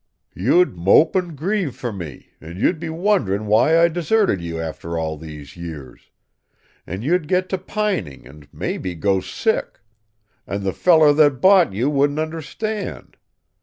You'd mope and grieve for me, and you'd be wond'ring why I'd deserted you after all these years. And you'd get to pining and maybe go sick. And the feller that bought you wouldn't understand.